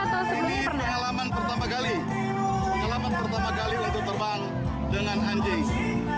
pengalaman pertama kali untuk terbang dengan anjing